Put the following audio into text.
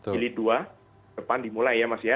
jilid dua depan dimulai ya mas ya